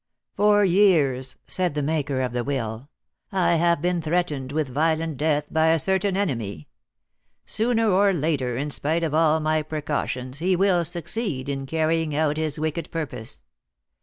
"For years," said the maker of the will, "I have been threatened with violent death by a certain enemy. Sooner or later, in spite of all my precautions, he will succeed in carrying out his wicked purpose.